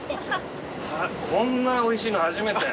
こんなおいしいの初めて。